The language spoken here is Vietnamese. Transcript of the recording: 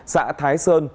xã thái sơn